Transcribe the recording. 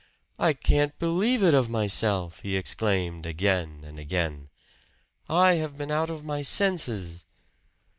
"I can't believe it of myself!" he exclaimed again and again. "I have been out of my senses!"